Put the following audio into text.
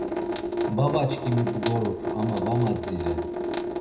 Babaçkimi bgorup ama va madziren.